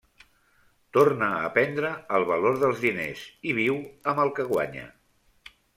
Torna a aprendre el valor dels diners i viu amb el que guanya.